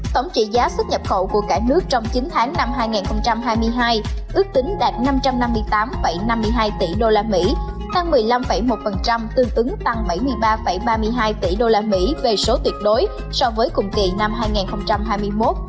tổng trị giá xuất nhập khẩu của cả nước trong chín tháng năm hai nghìn hai mươi hai ước tính đạt năm trăm năm mươi tám năm mươi hai tỷ usd tăng một mươi năm một tương ứng tăng bảy mươi ba ba mươi hai tỷ usd về số tuyệt đối so với cùng kỳ năm hai nghìn hai mươi một